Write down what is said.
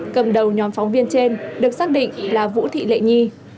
cầm đầu nhóm phóng viên trên được xác định là vũ thị lệ nhi